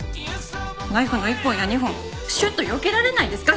ナイフの１本や２本シュッとよけられないんですか